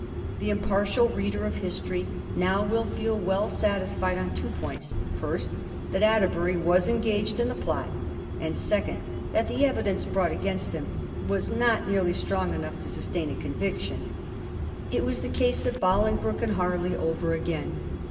The impartial reader of history now will feel well satisfied on two points — ^first, that Atterbuiy was engaged in the plot ; and second, that the evidence brought against him was not nearly strong enough to sustain a conviction. It was the case of Bolingbroke and Harley over again.